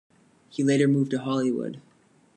He later moved to Hollywood.